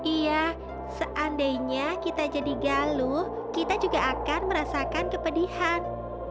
iya seandainya kita jadi galuh kita juga akan merasakan kepedihan